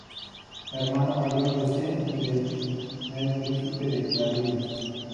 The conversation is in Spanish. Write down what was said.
Hermano mayor de Zen y primer príncipe de Clarines.